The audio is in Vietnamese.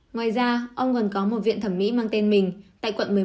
ngoài ra ông còn có một viện thẩm mỹ mang tên mình tại quận một mươi một